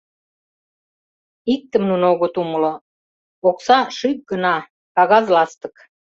Иктым нуно огыт умыло: окса — шӱк гына, кагаз ластык.